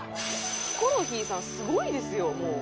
ヒコロヒーさんすごいですよもう」